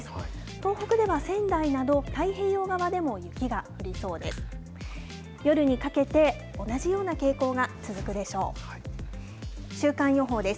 東北では仙台など太平洋側でも雪が降りそうです。